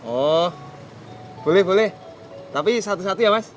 oh boleh boleh tapi satu satu ya mas